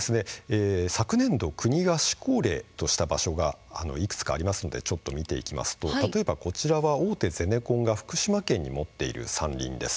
昨年度、国が試行例とした場所がいくつかありますので見ていきますと例えばこちらは大手ゼネコンが福島県に持っている山林です。